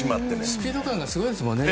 スピード感がすごいですもんね。